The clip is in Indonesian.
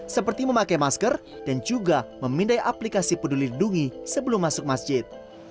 seperti memakai masker dan juga memindai aplikasi peduli lindungi sebelum masuk masjid